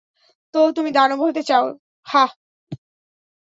তো, তুমি দানব হতে চাও, হাহ?